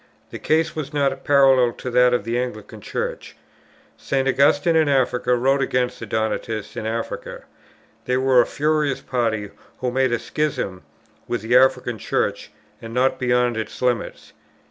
The case was not parallel to that of the Anglican Church. St. Augustine in Africa wrote against the Donatists in Africa. They were a furious party who made a schism within the African Church, and not beyond its limits.